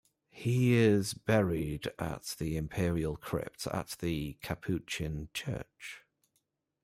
He is buried at the Imperial Crypt at the Capuchin Church.